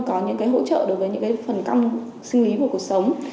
có những hỗ trợ đối với những phần công sinh lý của cuộc sống